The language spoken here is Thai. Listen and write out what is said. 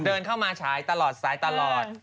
เดินเข้ามาฉายตลอดสายตลอด